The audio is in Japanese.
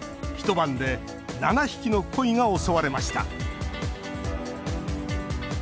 一晩で７匹のコイが襲われました。